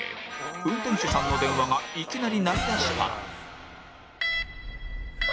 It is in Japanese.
運転手さんの電話がいきなり鳴りだしたら